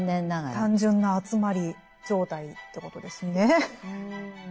単純な集まり状態ということですね。